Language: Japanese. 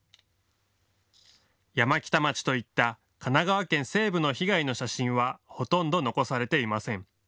山北町といった神奈川県西部の被害の写真はほとんど残されていません。